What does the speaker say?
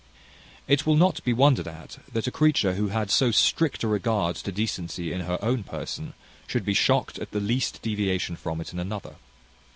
It will not be wondered at that a creature who had so strict a regard to decency in her own person, should be shocked at the least deviation from it in another.